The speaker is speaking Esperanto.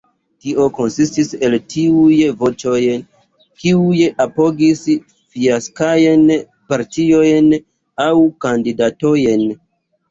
Tio konsistis el tiuj voĉoj, kiuj apogis fiaskajn partiojn, aŭ kandidatojn.